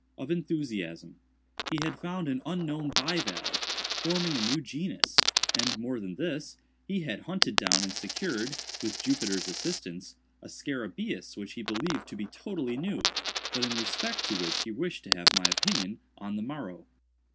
—of enthusiasm. He had found an unknown bivalve, forming a new genus, and, more than this, he had hunted down and secured, with Jupiter's assistance, a scarabæus which he believed to be totally new, but in respect to which he wished to have my opinion on the morrow.